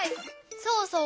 そうそう。